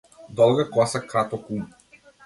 Долга коса краток ум.